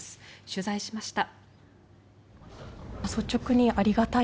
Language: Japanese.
取材しました。